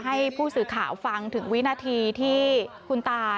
ให้ผู้สื่อข่าวฟังถึงวินาทีที่คุณตา